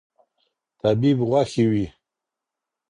طبیب غوښي وې